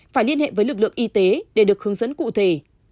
phải liên hệ với lực lượng y tế để được hướng dẫn cụ thể